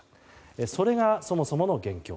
それがそもそもの元凶。